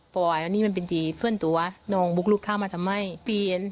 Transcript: พออันนี้มันเป็นสิ่งส่วนตัวนองบุกลดเข้ามาทำไม่